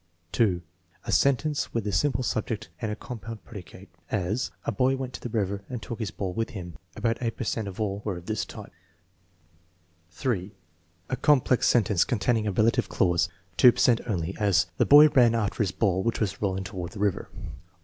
() A sentence with a simple subject and a compound predicate; as: "A boy went to the river and took his ball with him." About 8 per cent of all were of this type. (3) A complex sentence containing a relative clause (8 per cent 244 THE atBASCBEMENT OF INTELLIGENCE only); as: "The boy ran after his ball which was rolling toward the river."